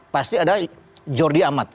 pasti ada jordi ahmad